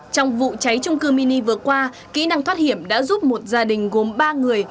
trong vụ cháy trung cư mini vừa qua kỹ năng thoát hiểm đã giúp một gia đình gồm ba người